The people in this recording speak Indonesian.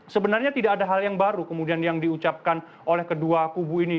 sebenarnya tidak ada hal yang baru kemudian yang diucapkan oleh kedua kubu ini